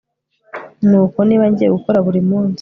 ni uko niba ngiye gukora buri munsi